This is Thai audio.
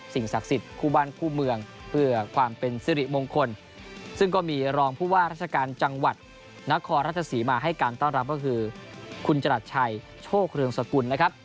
ศักดิ์สิทธิ์คู่บ้านคู่เมืองเพื่อความเป็นสิริมงคลซึ่งก็มีรองผู้ว่าราชการจังหวัดนครราชสีมาให้การต้อนรับก็คือคุณจรัสชัยโชคเรืองสกุลนะครับ